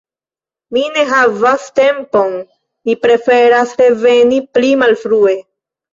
Mi ne havas tempon, mi preferas reveni pli malfrue.